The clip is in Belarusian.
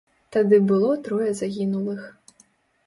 Тады было трое загінулых.